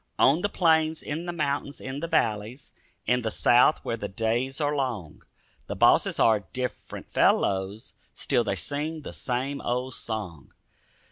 On the plains, in the mountains, in the valleys, In the south where the days are long, The bosses are different fellows; Still they sing the same old song.